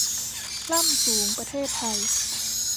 ล่ำสูง ประเทศไทย